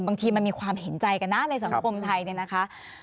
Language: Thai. บางทีมันมีความเห็นใจกันนะในสังคมไทยเนี่ยนะคะ